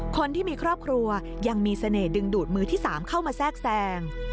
คนที่มีครอบครัวยังมีเสน่หดึงดูดมือที่๓เข้ามาแทรกแทรง